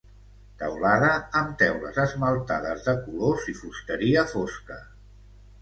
Teulada amb teules esmaltades de colors i fusteria fosca.